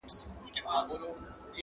ما یې له منبره د بلال ږغ اورېدلی دی !.